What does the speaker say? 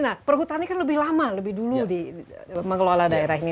nah perhutani kan lebih lama lebih dulu mengelola daerah ini